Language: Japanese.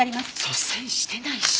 率先してないし。